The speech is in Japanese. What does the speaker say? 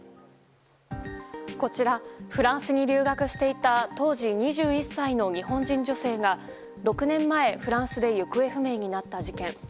こちらフランスに留学していた当時２１歳の日本人女性が６年前フランスで行方不明になった事件。